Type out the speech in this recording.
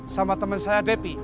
sama temen saya depi